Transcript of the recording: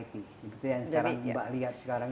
itu yang sekarang mbak lihat sekarang